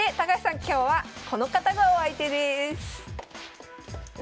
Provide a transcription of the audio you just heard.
今日はこの方がお相手です！え！